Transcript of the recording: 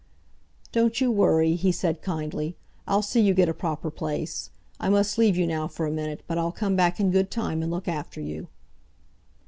"Don't you worry," he said kindly. "I'll see you get a proper place. I must leave you now for a minute, but I'll come back in good time and look after you."